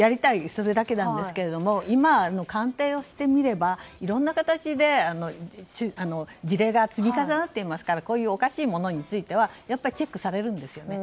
それだけなんですけど今、鑑定をしてみればいろんな形で事例が積み重なっていますからこういうおかしいものについてはチェックされるんですよね。